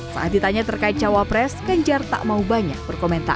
saat ditanya terkait cawapres ganjar tak mau banyak berkomentar